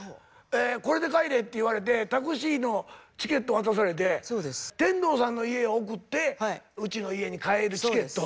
「これで帰れ」って言われてタクシーのチケット渡されて天童さんの家へ送ってうちの家に帰るチケット。